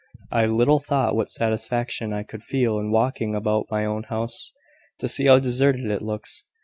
I little thought what satisfaction I could feel in walking about my own house, to see how deserted it looks.